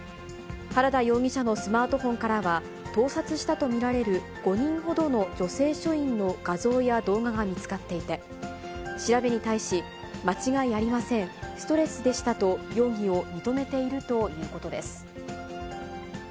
原田容疑者のスマートフォンからは、盗撮したと見られる５人ほどの女性署員の画像や動画が見つかっていて、調べに対し、間違いありません、ストレスでしたと、容疑を認めているということです。